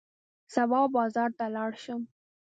سبا به بازار ته لاړ شم.